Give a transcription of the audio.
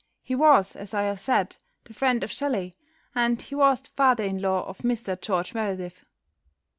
He was, as I have said, the friend of Shelley, and he was the father in law of Mr George Meredith.